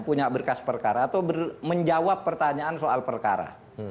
punya berkas perkara atau menjawab pertanyaan soal perkara